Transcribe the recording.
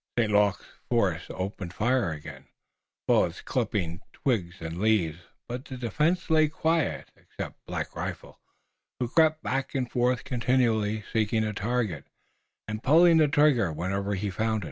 St. Luc's force opened fire again, bullets clipping twigs and leaves, but the defense lay quiet, except Black Rifle, who crept back and forth, continually seeking a target, and pulling the trigger whenever he found it.